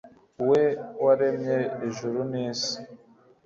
we waremye ijuru n’isi